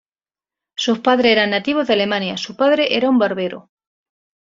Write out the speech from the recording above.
Sus padres eran nativos de Alemania; su padre era un barbero.